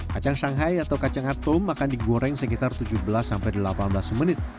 kacang shanghai atau kacang atum akan digoreng sekitar tujuh belas sampai delapan belas menit